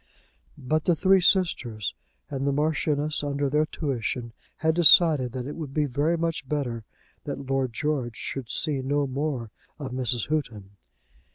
But the three sisters, and the Marchioness under their tuition, had decided that it would be very much better that Lord George should see no more of Mrs. Houghton.